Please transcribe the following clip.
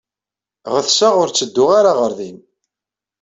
Ɣetseɣ ur ttedduɣ ara ɣer din.